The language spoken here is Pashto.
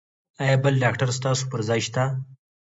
ایا بل ډاکټر ستاسو پر ځای شته؟